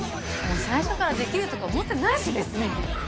最初からできるとか思ってないし別に。